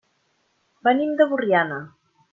Venim de Borriana.